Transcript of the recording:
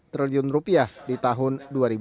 triliun rupiah di tahun dua ribu dua puluh